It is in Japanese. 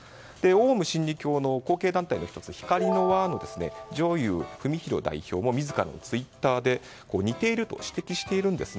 オウム真理教の後継団体の１つひかりの輪の上祐史浩代表も自らのツイッターで似ていると指摘しているんです。